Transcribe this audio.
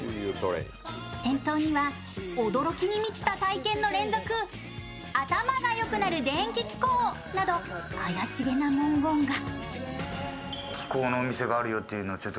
店頭には驚きに満ちた体験の連続、頭がよくなる電気気功など怪しげな文言が。